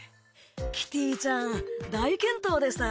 キティちゃん大健闘でした。